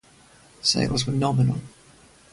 Sales were nominal.